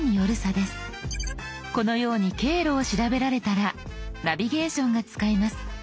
このように経路を調べられたらナビゲーションが使えます。